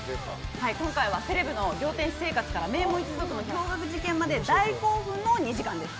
今回はセレブの仰天生活から名門一族の驚愕事件まで大興奮の２時間です。